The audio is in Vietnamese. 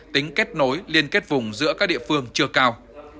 tính kết nối liên kết vùng giữa các địa phương chưa cao